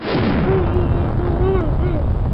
县治切斯特菲尔德。